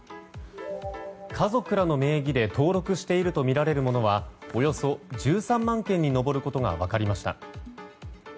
家族らの名義で登録しているとみられるものはおよそ１３万件に上ることが分かりました。